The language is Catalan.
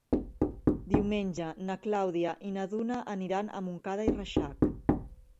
Diumenge na Clàudia i na Duna aniran a Montcada i Reixac.